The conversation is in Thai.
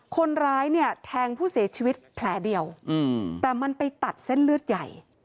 คนร้ายเนี่ยแทงผู้เสียชีวิตแผลเดียวแต่มันไปตัดเส้นเลือดใหญ่